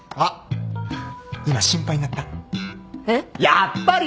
やっぱり！